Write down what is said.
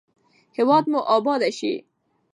هیواد مو اباد شي.